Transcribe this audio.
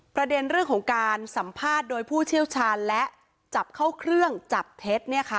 ประเด็นเรื่องของการสัมภาษณ์โดยผู้เชี่ยวชาญและจับเข้าเครื่องจับเท็จ